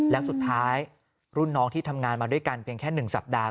แล้วสุดท้ายรุ่นน้องที่ทำงานมาด้วยกันเพียงแค่๑สัปดาห์